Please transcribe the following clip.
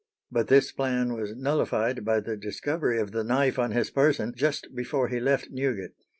But this plan was nullified by the discovery of the knife on his person just before he left Newgate.